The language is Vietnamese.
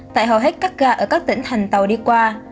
tại hầu hết các ga ở các tỉnh thành tàu đi qua